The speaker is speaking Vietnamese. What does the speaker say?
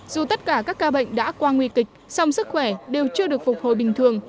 dù tất cả các ca bệnh đã qua nguy kịch song sức khỏe đều chưa được phục hồi bình thường